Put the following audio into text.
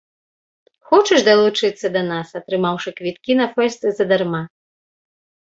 Хочаш далучыцца да нас, атрымаўшы квіткі на фэст задарма?